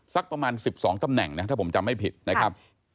สักประมาณ๑๒ตำแหน่งนะถ้าผมจำไม่ผิดนะครับ